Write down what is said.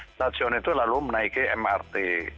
stasiun itu lalu menaiki mrt